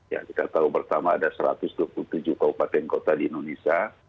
ya kita tahu pertama ada satu ratus dua puluh tujuh kabupaten kota di indonesia